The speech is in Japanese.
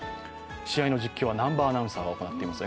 試合の実況は南波アナウンサーが行っています。